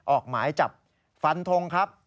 ออกหมายจับฟันทงครับ